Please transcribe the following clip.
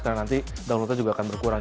karena nanti downloadnya juga akan berkurang